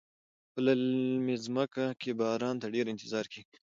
په للمي ځمکو کې باران ته ډیر انتظار کیږي.